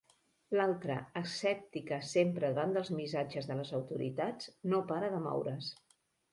L'altra, escèptica sempre davant dels missatges de les autoritats, no para de moure's.